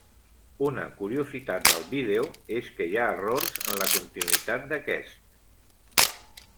Una curiositat del vídeo, és que hi ha errors en la continuïtat d'aquest.